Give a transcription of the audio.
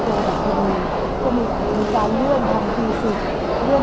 พี่ตัวเองก็คือใจสู้กับโมงที่จะไปบ้าง